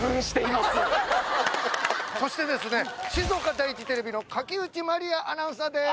そして静岡第一テレビの垣内麻里亜アナウンサーです！